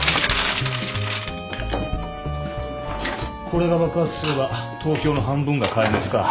これが爆発すれば東京の半分が壊滅か。